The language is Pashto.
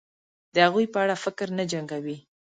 د هغوی په اړه فکر نه جنګوي